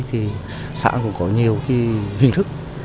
thì xã cũng có nhiều hình thức